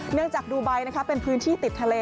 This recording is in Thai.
เนื่องจากดูไบน์นะคะเป็นพื้นที่ติดทะเล